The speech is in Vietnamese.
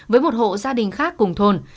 với một hộ gia đình khác cùng thôn